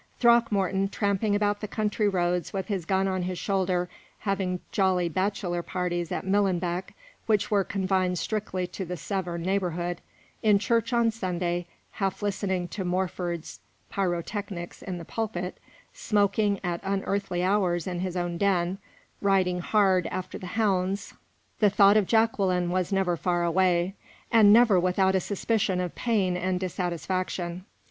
Throckmorton, tramping about the country roads with his gun on his shoulder; having jolly bachelor parties at Millenbeck, which were confined strictly to the Severn neighborhood; in church on Sunday, half listening to Morford's pyrotechnics in the pulpit; smoking at unearthly hours in his own den; riding hard after the hounds the thought of Jacqueline was never far away, and never without a suspicion of pain and dissatisfaction.